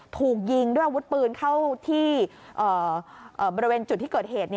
ถูกยิงด้วยอาวุธปืนเข้าที่บริเวณจุดที่เกิดเหตุ